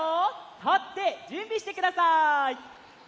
たってじゅんびしてください！